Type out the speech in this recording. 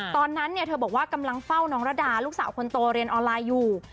ตอนนั้นเธอบอกว่ากำลังเฝ้าน้องระดาลูกสาวคนโตเรียนออนไลน์อยู่